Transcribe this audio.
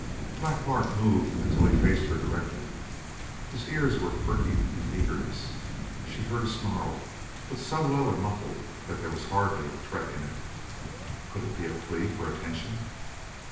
Black Bart moved until he faced her directly. His ears were pricking in eagerness; she heard a snarl, but so low and muffled that there was hardly a threat in it; could it be a plea for attention?